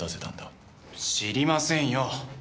知りませんよ。